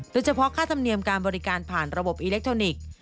โดยเฉพาะค่าธรรมเนียมการบริการผ่านระบบอิเล็กทรอนิกส์